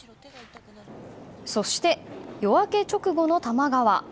そして夜明け直後の多摩川。